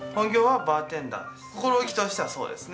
心意気としてはそうですね。